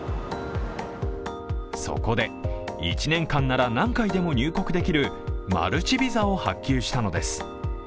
そこで、１年間なら何回でも入国できるマルチビザを発給したのです。